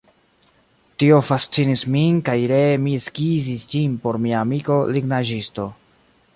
Tio fascinis min kaj ree mi skizis ĝin por mia amiko lignaĵisto.